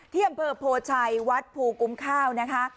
ที่อำเภอโพชัยวัดภูกุ้มข้าวนะคะ